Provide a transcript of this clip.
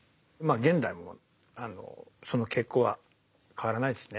現代もその傾向は変わらないですね。